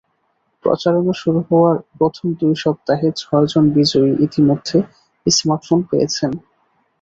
প্রচারণা শুরু হওয়ার প্রথম দুই সপ্তাহে ছয়জন বিজয়ী ইতিমধ্যে স্মার্টফোন পেয়েছেন।